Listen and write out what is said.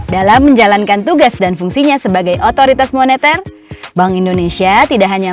dalam menjalankan tugas dan fungsinya sebagai otoritas moneter bank indonesia tidak hanya